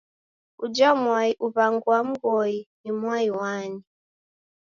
Uja mwai uw'angwaa Mghoi ni mwai wani?